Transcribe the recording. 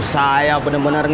saya bener bener gak tahu